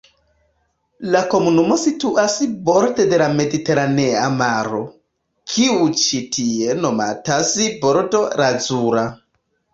La komunumo situas borde de la Mediteranea Maro, kiu ĉi tie nomatas Bordo Lazura.